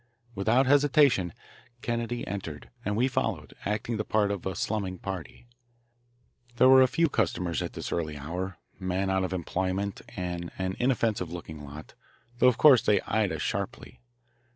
Without hesitation Kennedy entered, and we followed, acting the part of a slumming party. There were a few customers at this early hour, men out of employment and an inoffensive looking lot, though of course they eyed us sharply.